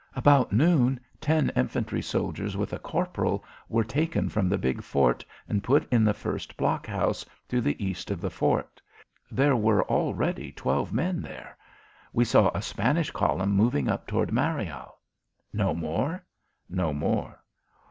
About noon, ten infantry soldiers with a corporal were taken from the big fort and put in the first blockhouse, to the east of the fort. There were already twelve men there. We saw a Spanish column moving off toward Mariel." "No more?" "No more."